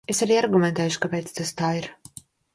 Es arī argumentēšu, kāpēc tas tā ir.